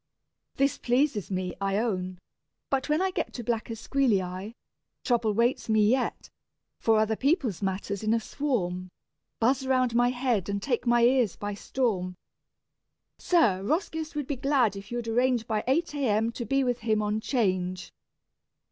This pleases me, I own; but when I get To black Esquiliae, trouble waits me yet: For other people's matters in a swarm Buzz round my head and take my ears by storm. "Sir, Roscius would be glad if you'd arrange By eight a. m. to be with him on 'Change."